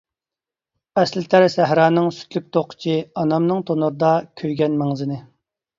ئەسلىتەر سەھرانىڭ سۈتلۈك توقىچى، ئانامنىڭ تونۇردا كۆيگەن مەڭزىنى.